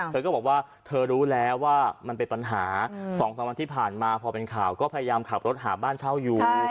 เธอก็บอกว่าเธอรู้แล้วว่ามันเป็นปัญหา๒๓วันที่ผ่านมาพอเป็นข่าวก็พยายามขับรถหาบ้านเช่าอยู่